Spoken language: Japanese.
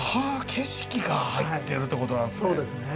景色が入ってるってことなんですね。